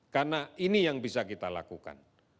karena ini yang bisa kita lakukan